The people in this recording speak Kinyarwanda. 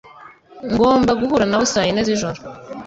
Ngomba guhura nawe saa yine zijoro.